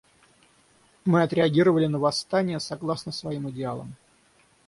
Мы отреагировали на восстания согласно своим идеалам.